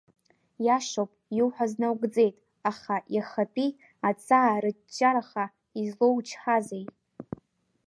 Иашоуп, иуҳәаз наугӡеит, аха иахатәи аҵаа-рыҷҷараха излоучҳазеи?!